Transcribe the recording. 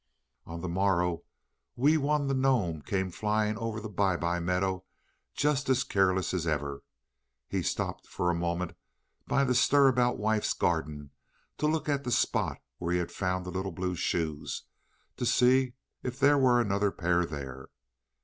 On the morrow Wee Wun the gnome came flying over the Bye bye Meadow, just as careless as ever. He stopped for a moment by the Stir about Wife's garden to look at the spot where he had found the little blue shoes, to see if there were another pair there.